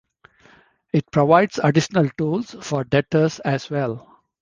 It provides additional tools for debtors as well.